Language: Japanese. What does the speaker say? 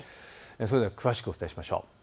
それでは詳しくお伝えしましょう。